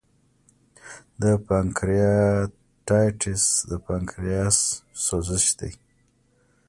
د پانکریاتایټس د پانکریاس سوزش دی.